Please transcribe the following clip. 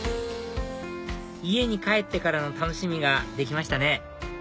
家に帰ってからの楽しみができましたね